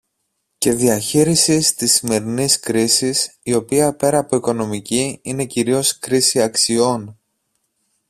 και διαχείρισης της σημερινής κρίσης, η οποία πέρα από οικονομική είναι κυρίως κρίση αξιών.